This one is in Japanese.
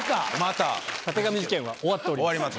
たてがみ事件は終わっております。